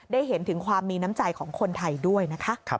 ได้เห็นถึงความมีน้ำใจของคนไทยด้วยนะคะ